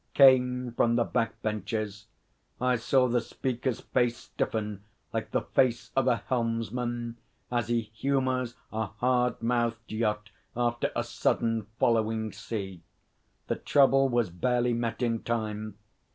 came from the Back Benches. I saw the Speaker's face stiffen like the face of a helmsman as he humours a hard mouthed yacht after a sudden following sea. The trouble was barely met in time.